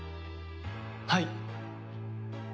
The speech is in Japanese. はい！